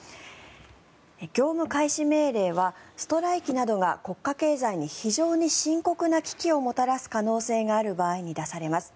業務開始命令はストライキなどが国家経済に非常に深刻な危機をもたらす可能性がある場合に出されます。